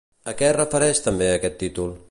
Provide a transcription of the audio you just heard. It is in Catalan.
A què es refereix també aquest títol?